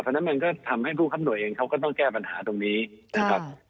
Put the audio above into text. เพราะฉะนั้นมันก็ทำให้ผู้คำหน่วยเองเขาก็ต้องแก้ปัญหาตรงนี้นะครับ